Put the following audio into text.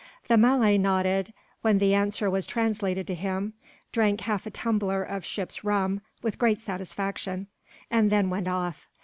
The Malay nodded, when the answer was translated to him; drank half a tumbler of ship's rum, with great satisfaction; and then went off.